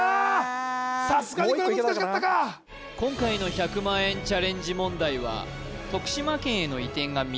さすがにこれ難しかったか今回の１００万円チャレンジ問題はもう１枚２枚開いてたらね